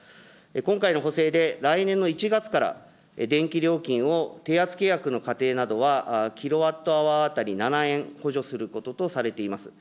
今回の補正で、来年の１月から、電気料金を定圧契約の家庭などは、キロワットアワー当たり７円補助することとされています。